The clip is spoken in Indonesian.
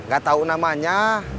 gak tau namanya